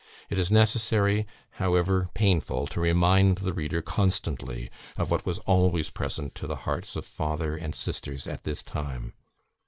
It is necessary, however painful, to remind the reader constantly of what was always present to the hearts of father and sisters at this time.